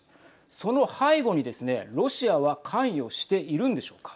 その背後にですね、ロシアは関与しているのでしょうか。